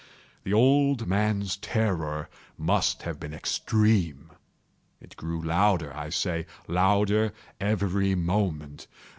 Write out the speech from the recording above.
The old man's terror must have been extreme! It grew louder, I say, louder every moment!